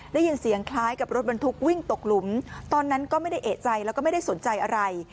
ได้ยินเสียงคล้ายกับรถบรรทุกวิ่งตกหลุมตอนนั้นก็ไม่ได้เอกใจแล้วก็ไม่ได้สนใจอะไร